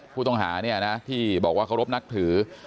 ผู้ต้องหาเนี่ยนะที่บอกว่าเคารพนับถือ